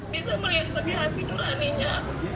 bisa melihat bagi hati duraninya